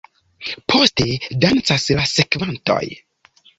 Poste dancas la sekvantoj.